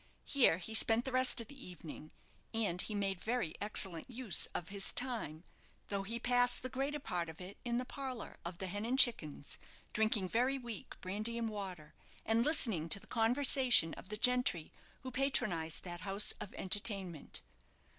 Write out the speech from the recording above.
Here he spent the rest of the evening, and he made very excellent use of his time, though he passed the greater part of it in the parlour of the "Hen and Chickens," drinking very weak brandy and water, and listening to the conversation of the gentry who patronized that house of entertainment.